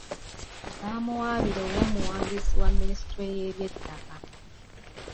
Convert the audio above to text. Baamuwaabira ew'omuwandiisi wa minisitule y'ebyettaka